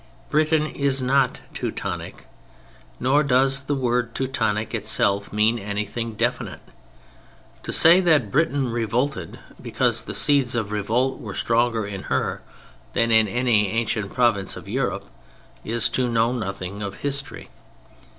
Britain is not "Teutonic," nor does the word "Teutonic" itself mean anything definite. To say that Britain revolted because the seeds of revolt were stronger in her than in any ancient province of Europe, is to know nothing of history.